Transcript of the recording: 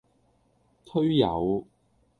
推友